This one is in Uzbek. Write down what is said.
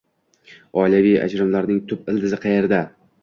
Oilaviy ajrimlarning tub ildizi qayerda?